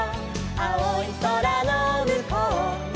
「あおいそらのむこうには」